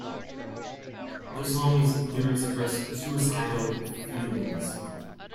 The song's lyrics address suicidal feelings.